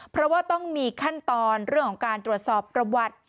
เพราะว่าต้องมีขั้นตอนเรื่องของการตรวจสอบประวัติ